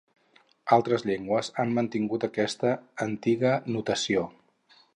Altres llengües han mantingut aquesta antiga notació.